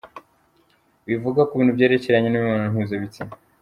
Wivuga ku bintu byerekeranye n’imibonano mpuzabitsina :.